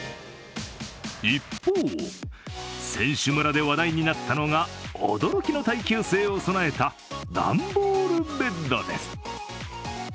一方、選手村で話題になったのが驚きの耐久性を備えた段ボールベッドです。